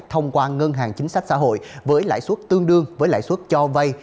thông qua ngân hàng chính sách xã hội với lãi suất tương đương với lãi suất cho vay